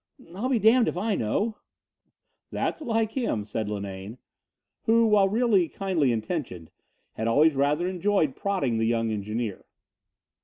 "I'll be damned if I know." "That's like him," said Linane, who, while really kindly intentioned, had always rather enjoyed prodding the young engineer.